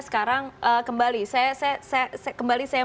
sekarang kembali saya